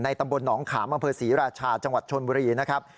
ในตำบลหนองขามบศรีราชาจโชนบุรีนะครับ